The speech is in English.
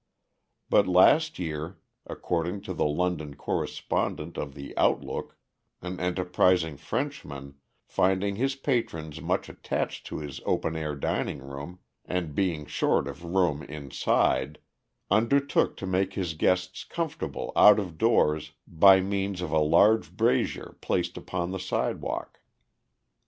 But last year, according to the London correspondent of the Outlook, an enterprising Frenchman, finding his patrons much attached to his open air dining room, and being short of room inside, undertook to make his guests comfortable out of doors by means of a large brazier placed upon the sidewalk.